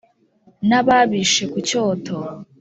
n'ababishe ku cyoto,